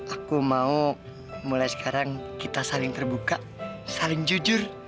aku mau mulai sekarang kita saling terbuka saling jujur